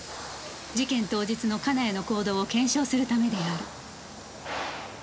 事件当日の金谷の行動を検証するためである